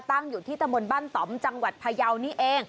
ตั้งอยู่ที่ตมบันตมจังหวัดพายาวนี้เอง